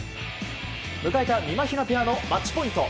迎えたみまひなペアのマッチポイント。